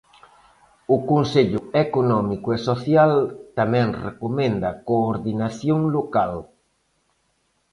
O Consello Económico e Social tamén recomenda coordinación local.